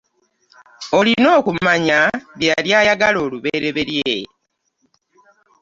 Olina okumanya bye yali ayagala olubereberye.